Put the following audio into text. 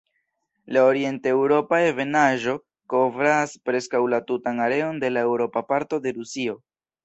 La orienteŭropa ebenaĵo kovras preskaŭ la tutan areon de la eŭropa parto de Rusio.